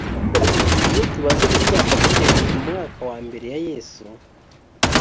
iyo tubaze imyaka duhereye mu mwaka wa mbere ya yesu